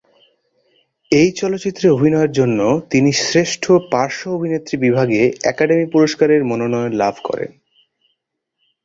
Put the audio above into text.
এই চলচ্চিত্রে অভিনয়ের জন্য তিনি শ্রেষ্ঠ পার্শ্ব অভিনেত্রী বিভাগে একাডেমি পুরস্কারের মনোনয়ন লাভ করেন।